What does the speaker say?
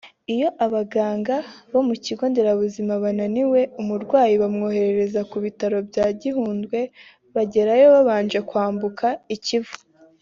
Iyo abaganga bo mu kigo nderabuzima bananiwe umurwayi bamwohereza ku bitaro bya Gihundwe bageraho babanje kwambuka i Kivu